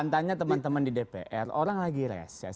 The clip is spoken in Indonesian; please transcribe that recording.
tanya teman teman di dpr orang lagi reses